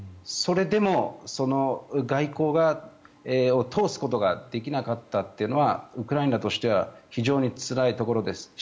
それでも外交を通すことができなかったということがウクライナとしては非常につらいところです。